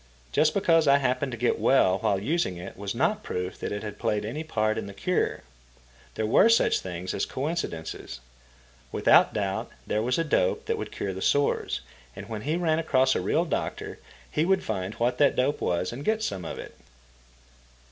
Just because I happened to get well while using it was not proof that it had played any part in the cure. There were such things as coincidences. Without doubt there was a dope that would cure the sores, and when he ran across a real doctor he would find what that dope was and get some of it.